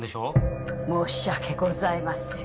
申し訳ございません。